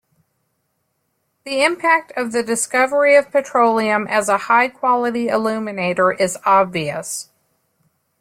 The impact of the discovery of petroleum as a high-quality illuminator is obvious.